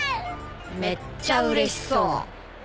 めっちゃうれしそう。